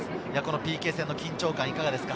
ＰＫ戦の緊張感、いかがですか？